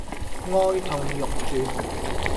哀痛欲絕